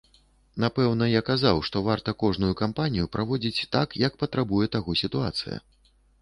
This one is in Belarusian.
Напэўна, я казаў, што варта кожную кампанію праводзіць так, як патрабуе таго сітуацыя.